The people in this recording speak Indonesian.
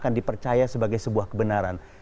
dan ini dipercaya sebagai sebuah kebenaran